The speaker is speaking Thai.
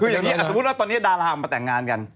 คืออย่างนี้สมมุติว่าตอนนี้ดารามาแต่งงานกัน